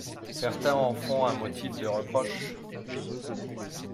Certains en font un motif de reproche.